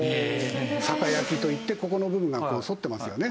月代といってここの部分が剃ってますよね。